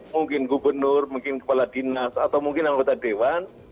mungkin gubernur mungkin kepala dinas atau mungkin anggota dewan